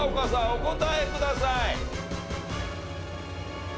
お答えください。